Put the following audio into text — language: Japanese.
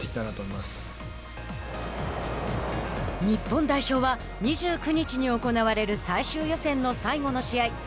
日本代表は２９日に行われる最終予選の最後の試合